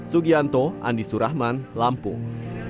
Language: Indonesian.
sugianto andi surahman lampung